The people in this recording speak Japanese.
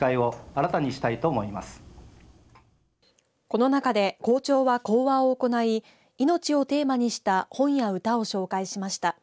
この中で、校長は講話を行い命をテーマにした本や歌を紹介しました。